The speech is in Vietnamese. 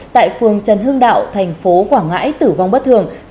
tại phường trần hương đạo tp quảng ngãi tử vong bất thường